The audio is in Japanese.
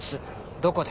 「どこで」